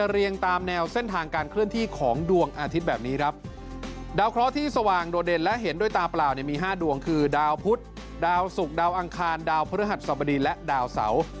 และเห็นด้วยตาเปล่าเนี่ยมี๕ดวงคือดาวพุธดาวสุกดาวอังคารดาวพระธรรมดีและดาวเสา